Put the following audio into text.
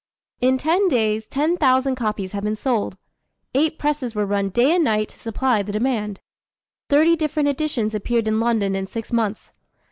In ten days, ten thousand copies had been sold. Eight presses were run day and night to supply the demand. Thirty different editions appeared in London in six months.